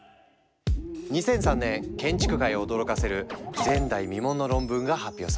２００３年建築界を驚かせる前代未聞の論文が発表された。